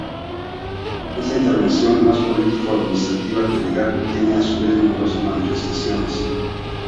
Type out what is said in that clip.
Esa intervención, más política o administrativa que legal, tiene a su vez numerosas manifestaciones.